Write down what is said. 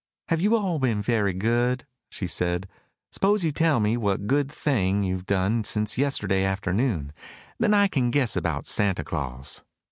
"Have you all been very good?" she said. "Suppose you tell me what good thing you have done since yesterday afternoon. Then I can guess about Santa Claus."